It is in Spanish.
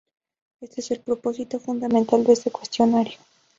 Este es el propósito fundamental de este cuestionario.